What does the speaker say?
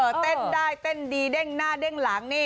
เต้นได้เต้นดีเด้งหน้าเด้งหลังนี่